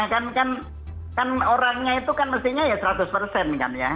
kan orangnya itu kan mestinya ya seratus kan ya